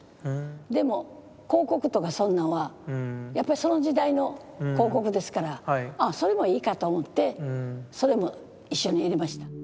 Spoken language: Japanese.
でも広告とかそんなんはやっぱりその時代の広告ですからああそれもいいかと思ってそれも一緒に入れました。